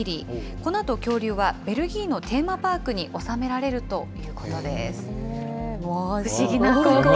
このあと恐竜は、ベルギーのテーマパークに収められるということです。